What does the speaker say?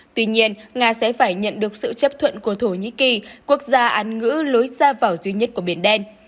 tuy nhiên nga sẽ phải nhận được sự chấp thuận của thổ nhĩ kỳ quốc gia án ngữ lối ra vào duy nhất của biển đen